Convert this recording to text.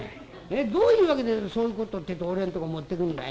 どういう訳でそういうことってえと俺のとこ持ってくんだよ？